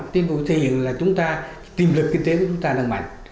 tìm kiếm là chúng ta tìm lực kinh tế của chúng ta đang mạnh